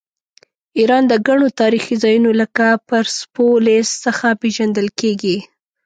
ایران د ګڼو تاریخي ځایونو لکه پرسپولیس څخه پیژندل کیږي.